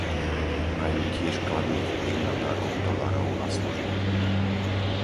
Majú tiež kladný vplyv na nákup tovarov a služieb.